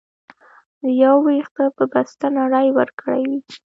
د يو وېښته په بسته نړۍ وکړى وى.